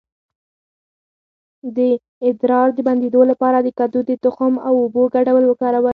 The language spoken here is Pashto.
د ادرار د بندیدو لپاره د کدو د تخم او اوبو ګډول وکاروئ